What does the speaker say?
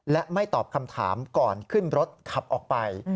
และไม่ตอบคำถามก่อนขึ้นรถขับออกไป